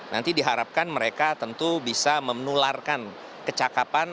nanti diharapkan mereka tentu bisa menularkan kecakapan